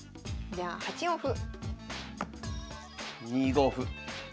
じゃあ８五歩。